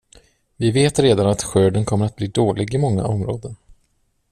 Vi vet redan att skörden kommer att bli dålig i många områden.